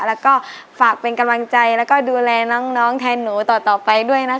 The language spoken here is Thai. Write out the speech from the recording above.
แล้วก็ฝากเป็นกำลังใจแล้วก็ดูแลน้องแทนหนูต่อไปด้วยนะคะ